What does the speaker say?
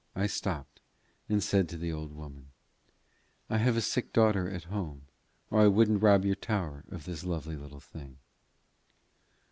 I stopped, and said to the old woman "I have a sick daughter at home, or I wouldn't rob your tower of this lovely little thing."